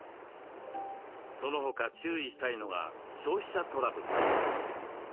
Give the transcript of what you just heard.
その他注意したいのが消費者トラブルです。